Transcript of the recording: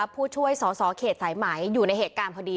ผู้ช่วยสอสอเขตสายไหมอยู่ในเหตุการณ์พอดี